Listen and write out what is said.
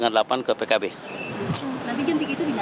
nanti jam tiga itu di nasdem